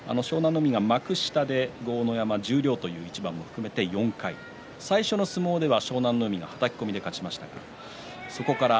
海が幕下で豪ノ山は十両という一番を含めて４回最初の相撲では湘南乃海がはたき込みで勝ちましたがそこから